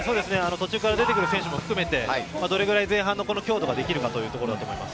途中から出て来る選手も含めてどれくらい前半の強度ができるかというところだと思います。